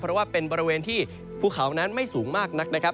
เพราะว่าเป็นบริเวณที่ภูเขานั้นไม่สูงมากนักนะครับ